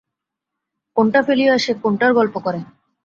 কোনটা ফেলিয়া সে কোনটার গল্প করে!